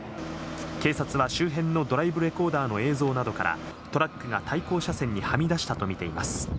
警察は周辺のドライブレコーダーの映像などから、トラックが対向車線にはみ出したと見ています。